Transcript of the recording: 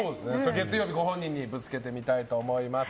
月曜日、ご本人にぶつけてみたいと思います。